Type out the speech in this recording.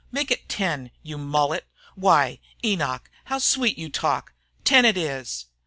"Make it ten, you mullet!" "Why, Enoch, how sweet you talk! Ten it is!"